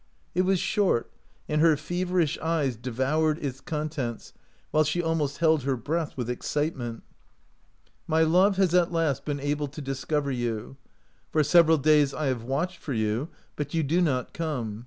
It was short, and her feverish eyes devoured its contents, while she almost held her breath with excitement. i37 OUT OF BOHEMIA My love has at last been able to discover you. For several days I have watched for you, but you do not come.